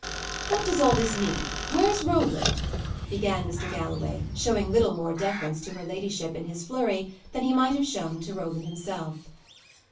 "What does all this mean? Where's Roland?" began Mr. Galloway, showing little more deference to her ladyship, in his flurry, than he might have shown to Roland himself.